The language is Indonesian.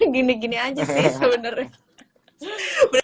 gini gini aja sih sebenarnya